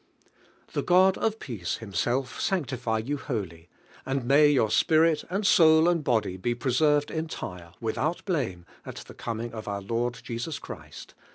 "The God of ]>eace Himself sanctify you wholly, and may your spirit and soul and body be pre served entire, without blame, at the com ing of our Lord Jesus Christ" (1.